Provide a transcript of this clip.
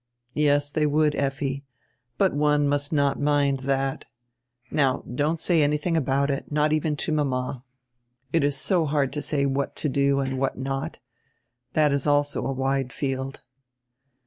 "Yes, they would, Effi. But one must not mind that Now, don't say anything about it, not even to mama. It is so hard to say what to do and what not. That is also a wide field."